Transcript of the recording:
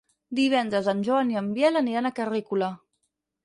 Divendres en Joan i en Biel aniran a Carrícola.